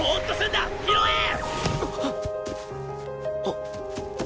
あっ。